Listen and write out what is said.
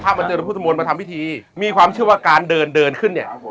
มาเจอพระพุทธมนต์มาทำพิธีมีความเชื่อว่าการเดินเดินขึ้นเนี่ย